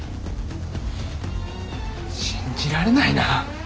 信じられないな。